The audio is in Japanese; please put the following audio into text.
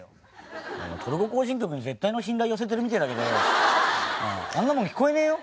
『トルコ行進曲』に絶対の信頼寄せてるみてえだけどよあんなもん聞こえねえよ。